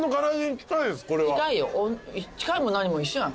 近いも何も一緒やん。